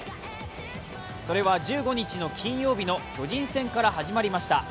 それは１５日の金曜日の巨人戦から始まりました。